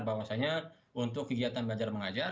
bahwasannya untuk kegiatan belajar mengajar